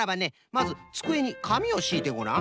まずつくえにかみをしいてごらん。